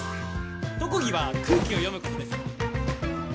特技は空気を読むことです。